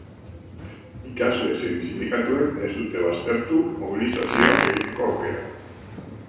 Ikasle zein sindikatuek ez dute baztertu mobilizazioak egiteko aukera.